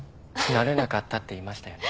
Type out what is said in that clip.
なれなかったって言いましたよね？